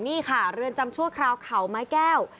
นี่ค่ะเรือนจำชั่วคราวเขาไม้แก้ว